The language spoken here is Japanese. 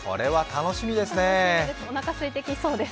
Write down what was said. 楽しみです。